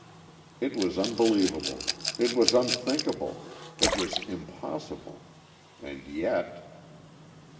It was unbelievable, it was unthinkable, it was impossible! And yet....